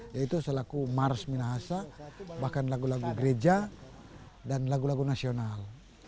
yaitu selaku mars minahasa bahkan lagu lagu gereja dan lagu lagu nasional